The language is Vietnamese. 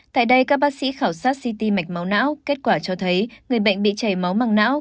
tại đây các bác sĩ khảo sát city mạch máu não kết quả cho thấy người bệnh bị chảy máu măng não